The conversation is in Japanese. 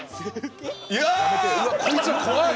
こいつら怖い！